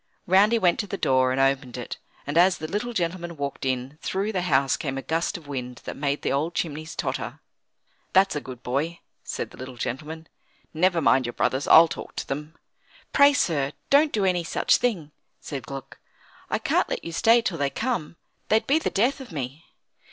Round he went to the door, and opened it; and as the little gentleman walked in, through the house came a gust of wind that made the old chimneys totter. "That's a good boy," said the little gentleman. "Never mind your brothers. I'll talk to them." "Pray, sir, don't do any such thing," said Gluck. "I can't let you stay till they come; they'd be the death of me."